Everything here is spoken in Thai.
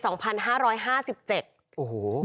โอ้โห